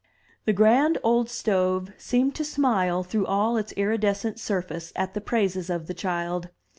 *' The grand old stove seemed to smile through all its iridescent surface at the praises of the child.